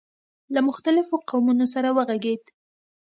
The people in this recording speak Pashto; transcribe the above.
له مختلفو قومونو سره وغږېد.